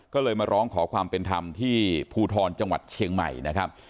ก็เลยมาร้องขอความเป็นธรรมที่ภูทรจังหวัดเชียงใหม่นะครับ